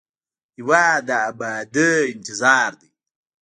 هېواد د ابادۍ انتظار دی.